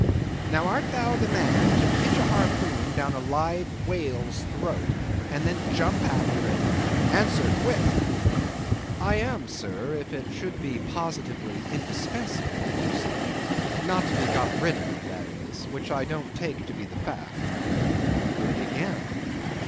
Now, art thou the man to pitch a harpoon down a live whale's throat, and then jump after it? Answer, quick!" "I am, sir, if it should be positively indispensable to do so; not to be got rid of, that is; which I don't take to be the fact." "Good again.